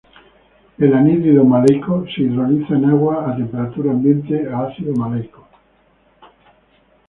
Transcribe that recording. El anhídrido maleico se hidroliza en agua a temperatura ambiente a ácido maleico.